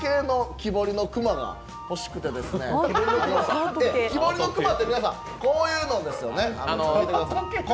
木彫りの熊ってこういうのですよね。